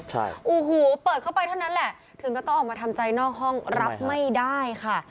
ใช่โอ้โหเปิดเข้าไปเท่านั้นแหละถึงก็ต้องออกมาทำใจนอกห้องรับไม่ได้ค่ะ